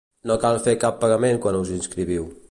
No cal fer cap pagament quan us inscriviu.